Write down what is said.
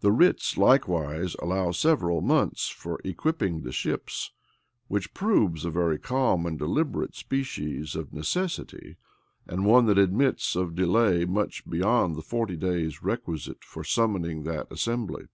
The writs likewise allow several months for equipping the ships; which proves a very calm and deliberate species of necessity, and one that admits of delay much beyond the forty days requisite for summoning that assembly.